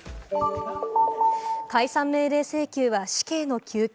解散命令請求は死刑の求刑。